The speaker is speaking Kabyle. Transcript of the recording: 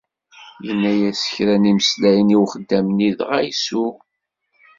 Yenna-yas kra imeslayen I uxeddam-nni dγa isuγ: